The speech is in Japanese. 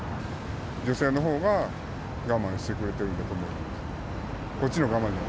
女性のほうが我慢してくれてるんだと思います。